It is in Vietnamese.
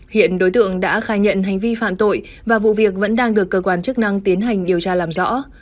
hiện đối tượng đã khai nhận hành vi phạm tội và vụ việc vẫn đang được cơ quan chức năng tiến hành điều tra làm rõ